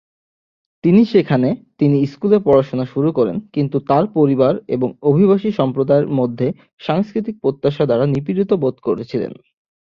তিনি সেখানে তিনি স্কুলে পড়াশোনা শুরু করেন, কিন্তু তার পরিবার এবং অভিবাসী সম্প্রদায়ের মধ্যে সাংস্কৃতিক প্রত্যাশা দ্বারা নিপীড়িত বোধ করেছিলেন।